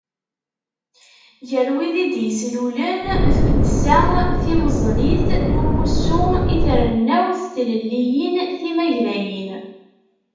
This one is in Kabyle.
Gar wid i d-yeslulen Tuddsa Timeẓlit n Umussu i Trennawt n Tlelliyin Timagdayin.